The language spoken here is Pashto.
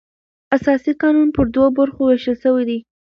اساسي قانون پر دوو برخو وېشل سوى دئ.